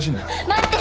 待って。